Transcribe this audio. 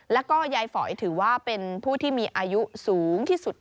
แล้วก็ยายฝอยถือว่าเป็นผู้ที่มีอายุสูงที่สุด